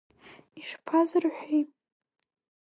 Ишԥа зырҳәеи?